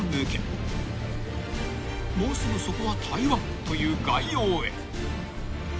もうすぐそこは台湾という外洋へ］